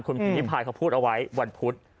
คุณพิมพิพายเขาพูดเอาไว้วันพุธ